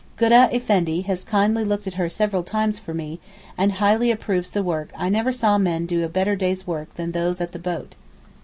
Goodah Effendi has kindly looked at her several times for me and highly approves the work done. I never saw men do a better day's work than those at the boat.